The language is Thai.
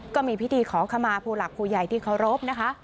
ก็มีพิธีขอขมาผู้หลักผู้ใหญ่ที่เคารพนะคะ